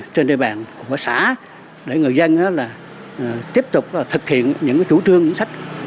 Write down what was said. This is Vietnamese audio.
trên địa bàn của xã để người dân tiếp tục thực hiện những chủ trương chính sách